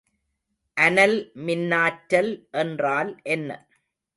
அனல் மின்னாற்றல் என்றால் என்ன?